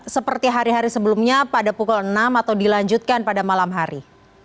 seperti hari hari sebelumnya pada pukul enam atau dilanjutkan pada malam hari